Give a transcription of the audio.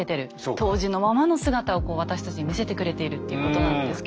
当時のままの姿を私たちに見せてくれているっていうことなんですけど。